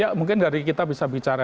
ya mungkin dari kita bisa bicara